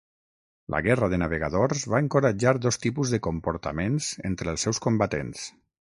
La guerra de navegadors va encoratjar dos tipus de comportaments entre els seus combatents.